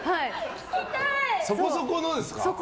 そこそこのですか？